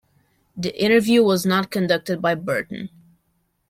The interview was not conducted by Burton.